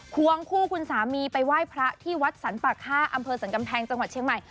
ควงคู่คุณสามีไปไหว้พระที่วัดสรรป่าค่าอำเภอสรรกำแพงจังหวัดเชียงใหม่